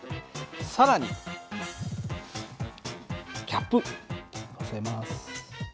更にキャップのせます。